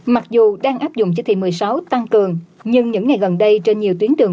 mặc dù đang áp dụng chỉ thị một mươi sáu tăng cường nhưng những ngày gần đây trên nhiều tuyến đường